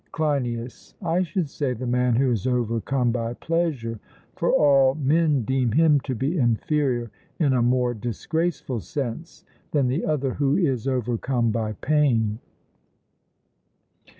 CLEINIAS: I should say the man who is overcome by pleasure; for all men deem him to be inferior in a more disgraceful sense, than the other who is overcome by pain.